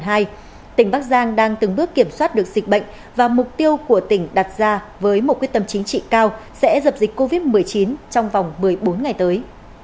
tỉnh bắc giang đang từng bước kiểm soát được dịch bệnh và mục tiêu của tỉnh đặt ra với một quyết tâm chính trị cao sẽ dập dịch covid một mươi chín trong vòng một mươi bốn ngày tới